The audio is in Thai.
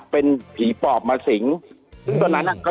คุณติเล่าเรื่องนี้ให้ฮะ